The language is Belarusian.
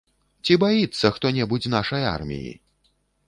Ці баіцца хто-небудзь нашай арміі?